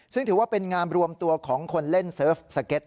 ซึ่งถือว่าเป็นงานรวมตัวของคนเล่นเซิร์ฟสเก็ต